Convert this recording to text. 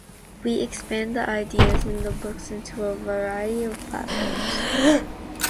We expand the ideas in the books into a variety of platforms.